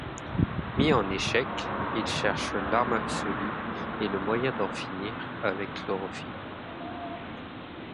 Mis en échec, il cherche l'arme absolue et le moyen d'en finir avec Chlorophylle.